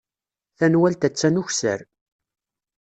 Tanwalt attan ukessar.